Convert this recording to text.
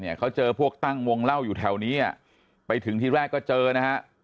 เขาเจอพวกตั้งวงเล่าอยู่แถวนี้อ่ะไปถึงที่แรกก็เจอนะฮะ